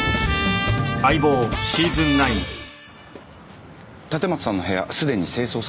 立松さんの部屋すでに清掃されてました。